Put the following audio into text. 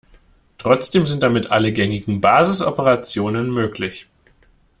Trotzdem sind damit alle gängigen Basisoperationen möglich.